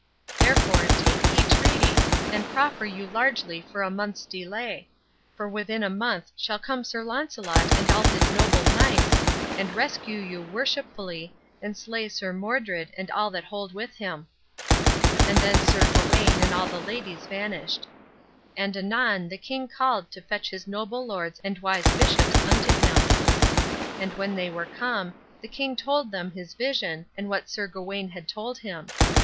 Therefore take ye treaty, and proffer you largely for a month's delay; for within a month shall come Sir Launcelot and all his noble knights, and rescue you worshipfully, and slay Sir Modred and all that hold with him." And then Sir Gawain and all the ladies vanished. And anon the king called to fetch his noble lords and wise bishops unto him. And when they were come, the king told them his vision, and what Sir Gawain had told him.